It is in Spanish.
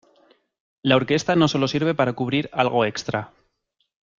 La orquesta no sólo sirve para cubrir algo extra.